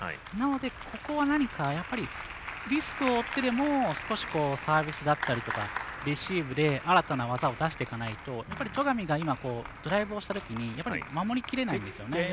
なので、ここは何かリスクを負ってでも少しサービスだったりとかレシーブで新たな技を出していかないと戸上が今、ドライブをしたときに守りきれないんですね。